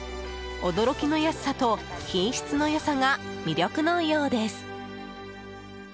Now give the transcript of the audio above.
驚きの安さと品質の良さが魅力のようです。